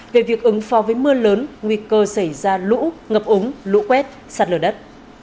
về việc ứng phó với mưa lớn nguy cơ xảy ra lũ ngập ống lũ quét sạt lở đất